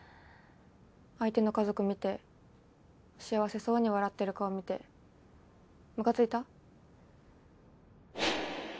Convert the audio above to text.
相手の家族見て幸せそうに笑ってる顔見てムカついた？